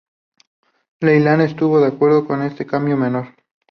Leyland estuvo de acuerdo con este cambio menor.